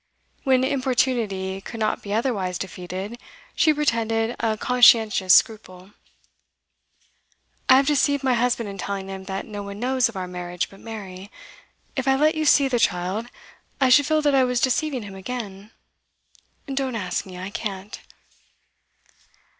When importunity could not be otherwise defeated, she pretended a conscientious scruple. 'I have deceived my husband in telling him that no one knows of our marriage but Mary. If I let you see the child, I should feel that I was deceiving him again. Don't ask me; I can't.